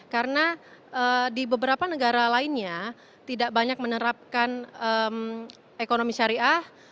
karena di beberapa negara lainnya tidak banyak menerapkan ekonomi syariah